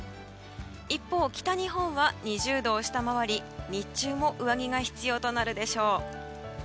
一方、北日本は２０度を下回り日中も上着が必要となるでしょう。